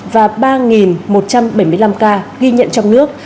và ba một trăm bảy mươi năm ca ghi nhận trong nước